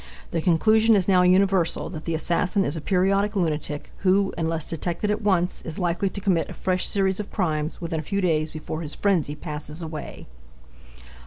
The conclusion is now universal that the assassin is a periodic lunatic, who, unless detected at once, is likely to commit a fresh series of crimes within a few days before his frenzy passes away.